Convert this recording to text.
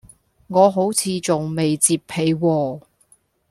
我好似仲未摺被喎